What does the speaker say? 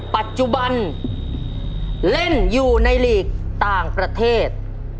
ปัจจุบันเล่นอยู่ในหลีกต่างประเทศ